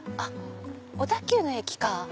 小田急の駅か。